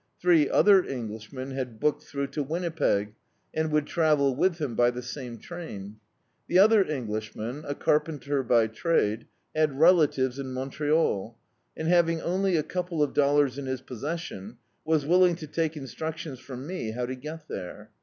Three other Englishmen had booked through to Winnipeg, and would travel with him by the same train. The other Englishman, a carpenter by trade, had relatives in Montreal, and, having only a couple of dollars in his possession, was willing to take in structions from me how to get there.